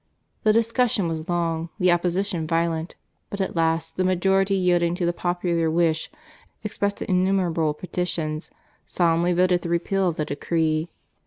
The discussion was long, the opposition violent; but at last, the majority yielding to the popular wish expressed by innumerable petitions, solemnly voted the repeal of the decree.